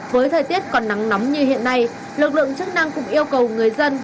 với thời tiết còn nắng nóng như hiện nay lực lượng chức năng cũng yêu cầu người dân